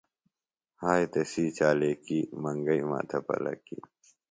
ہائے تسی چالاکی منگئی ماتھے پلَکی۔